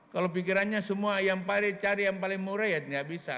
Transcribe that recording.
kalau pikirannya semua yang cari yang paling murah ya tidak bisa